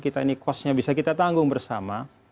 kita ini costnya bisa kita tanggung bersama